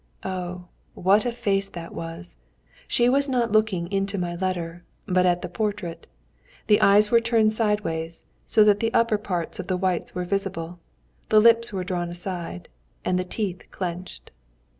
Oh, what a face was that! She was not looking into my letter, but at the portrait. The eyes were turned sideways, so that the upper parts of the whites were visible; the lips were drawn aside, and the teeth clenched.